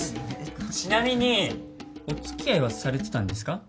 ちなみにおつきあいはされてたんですか？